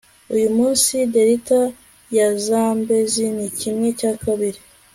uyu munsi, delta ya zambezi ni kimwe cya kabiri